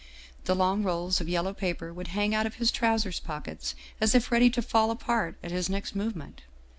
The long rolls of yellow paper would hang out of his trousers pockets as if ready to fall apart at his next movement.